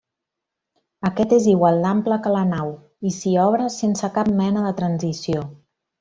Aquest és igual d'ample que la nau, i s'hi obre sense cap mena de transició.